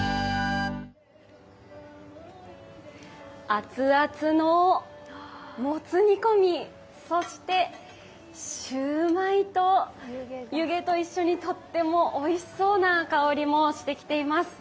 熱々のもつ煮込み、そして、シュウマイと、湯気といっ情報にとってもおいしそうな香りもしてきています。